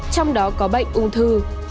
trong đó có bệnh ung thư